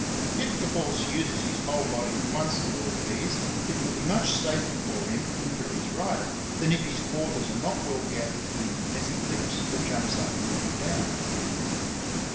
If the horse uses his whole body at once for all these, it will be much safer for him and for his rider than if his quarters are not well gathered in as he leaps or jumps up or down.